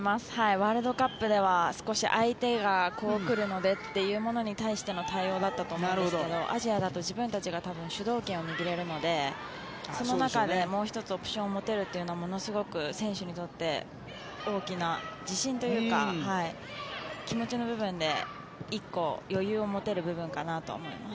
ワールドカップでは少し相手が、こう来るのでというものに対しての対応だったと思うんですけどアジアだと自分たちが主導権を握れるのでその中でもう１つオプションを持てるというのはものすごく選手にとって大きな自信というか気持ちの部分で１個、余裕を持てる部分かなと思います。